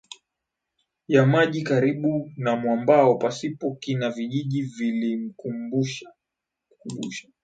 ya maji karibu na mwambao pasipo kina Vijiji vilimkubusha